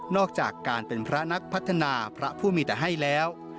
อกจากการเป็นพระนักพัฒนาพระผู้มีแต่ให้แล้ว